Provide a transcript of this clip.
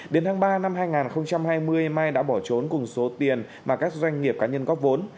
đến tháng ba năm hai nghìn hai mươi mai đã bỏ trốn cùng số tiền mà các doanh nghiệp cá nhân góp vốn